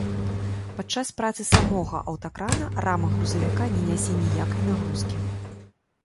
Падчас працы самога аўтакрана рама грузавіка не нясе ніякай нагрузкі.